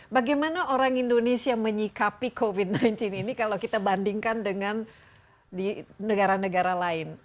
bagaimana orang indonesia menyikapi covid sembilan belas ini kalau kita bandingkan dengan di negara negara lain